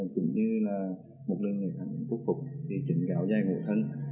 cũng như là một lần người sản xuất phục thì chỉnh cái áo dài ngủ thân